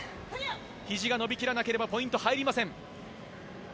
ひじが伸び切らなければポイント入りません。